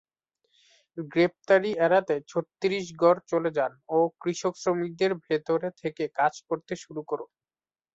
গ্রেপ্তারি এড়াতে ছত্তীসগঢ় চলে যান ও কৃষক শ্রমিকদের ভেতরে থেকে কাজ করতে শুরু করেন।